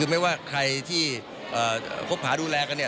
ไม่ว่าใครที่คบหาดูแลกันเนี่ย